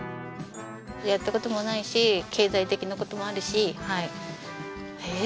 やった事もないし経済的な事もあるしええ？